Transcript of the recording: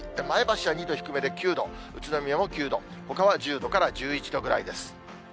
前橋は２度低めで９度、宇都宮も９度、ほかは１０度から１１度ぐらいです。